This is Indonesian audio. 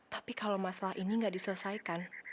tapi kalau masalah ini nggak diselesaikan